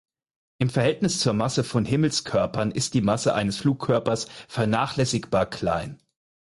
Im Verhältnis zur Masse von Himmelskörpern ist die Masse eines Flugkörpers vernachlässigbar klein.